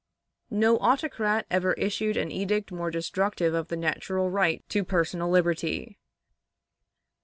No autocrat ever issued an edict more destructive of the natural right to personal liberty.